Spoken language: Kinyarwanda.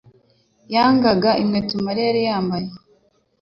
yangaga inkweto Mariya yari yambaye.